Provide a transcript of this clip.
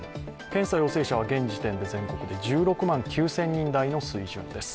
検査陽性者は全国で１６万９０００人台の水準です。